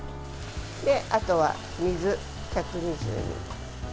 あとは水、１２０。